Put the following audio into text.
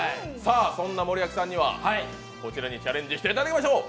そんな森脇さんには、こちらに挑戦していただきましょう。